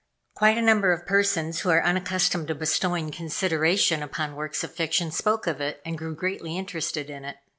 Quite a number of persons who are unaccustomed to bestowing consideration upon works of fiction spoke of it, and grew greatly interested in it.